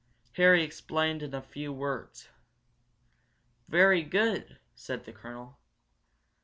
Harry explained in a few words. "Very good," said the colonel.